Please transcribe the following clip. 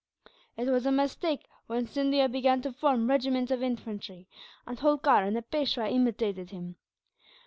"It was a mistake when Scindia began to form regiments of infantry, and Holkar and the Peishwa imitated him.